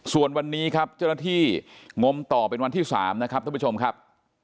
ส่วนวันนี้ครับเจ้าหน้าที่งมต่อเป็นวันที่๓นะครับท่านผู้ชมครับ